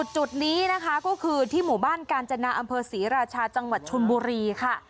จุดนี้นะคะก็คือที่หมู่บ้านกาญจนาอำเภอศรีราชาจังหวัดชนบุรีค่ะ